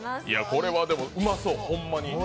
これはうまそう、ほんまに。